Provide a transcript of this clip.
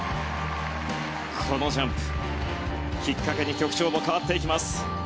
このジャンプをきっかけに曲調も変わっていきます。